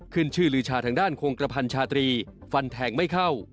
ขึ้นชื่อลือชาทางด้านโครงกระพันชาตรีฟันแทงไม่เข้า